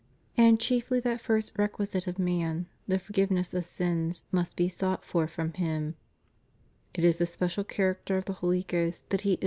And chiefl}^ that first requisite of man, the forgiveness of sins, must be sought for from Him: "It is the special character 1 2 Thess.